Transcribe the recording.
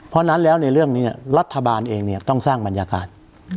เพราะฉะนั้นแล้วในเรื่องนี้รัฐบาลเองต้องสร้างบรรยากาศ